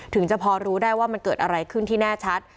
ถึงจะพอรู้ได้ว่ามันเกิดอะไรขึ้นที่แน่ชัด